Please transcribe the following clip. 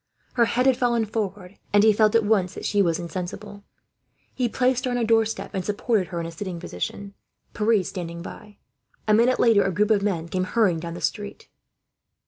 Her head had fallen forward, and he felt at once that she was insensible. He placed her on a doorstep, and supported her in a sitting position, Pierre standing by. A minute later a group of men came hurrying down the street.